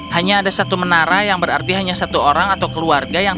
hanya ada satu menara yang berarti hanya satu orang atau keluarga